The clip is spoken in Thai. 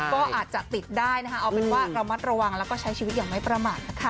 ก็อาจจะติดได้นะคะเอาเป็นว่าระมัดระวังแล้วก็ใช้ชีวิตอย่างไม่ประมาทนะคะ